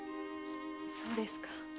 そうですか。